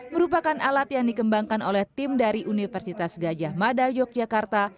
merupakan alat yang dikembangkan oleh tim dari universitas gajah mada yogyakarta